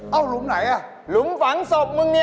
เอ้าหลุมไหนน่ะหลุมฝังศพมึงนี่